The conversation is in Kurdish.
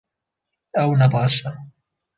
Ew ne baş e